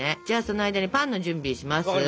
じゃあその間にパンの準備します。